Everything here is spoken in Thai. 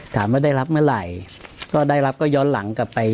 ถามว่าได้รับเมื่อไหร่ก็ได้รับก็ย้อนหลังกลับไป